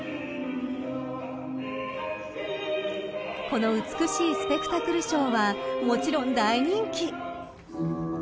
［この美しいスペクタクルショーはもちろん大人気］